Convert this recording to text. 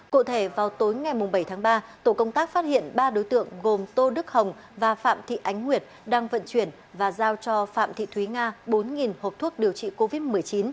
cụ thể vào tối ngày bảy tháng ba tổ công tác phát hiện ba đối tượng gồm tô đức hồng và phạm thị ánh nguyệt đang vận chuyển và giao cho phạm thị thúy nga bốn hộp thuốc điều trị covid một mươi chín